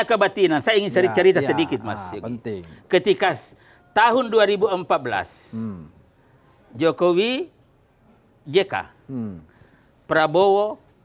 kebatinan saya ingin cari cerita sedikit mas ketika tahun dua ribu empat belas jokowi jk prabowo